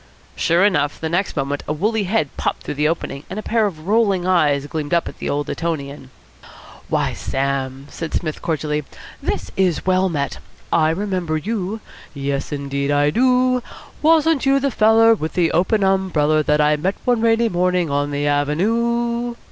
Sure enough, the next moment a woolly head popped through the opening, and a pair of rolling eyes gleamed up at the old Etonian. "Why, Sam!" said Psmith cordially, "this is well met! I remember you. Yes, indeed, I do. Wasn't you the feller with the open umbereller that I met one rainy morning on the Av en ue?